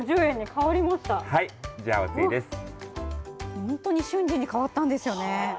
本当に瞬時に変わったんですよね。